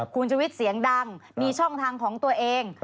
คุณชุวิตเสียงดังมีช่องทางของตัวเอง